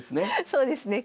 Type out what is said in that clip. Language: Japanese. そうですね。